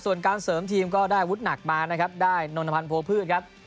ส่วนการเสริมทีมก็ได้อาวุธหนักมานะครับได้นนทพันธ์โพพืชครับ